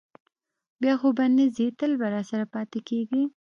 بیا خو به نه ځې، تل به راسره پاتې کېږې؟